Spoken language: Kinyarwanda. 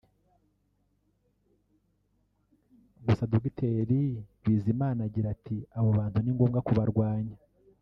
Gusa Dr Bizimana agira ati “abo bantu ni ngombwa kubarwanya